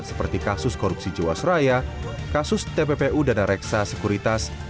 seperti kasus korupsi jawa seraya kasus tppu dana reksa sekuritas